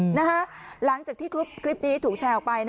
หลังจากที่คลิปนี้ถูกแชร์ออกไป